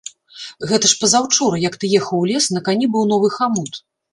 Гэта ж пазаўчора, як ты ехаў у лес, на кані быў новы хамут.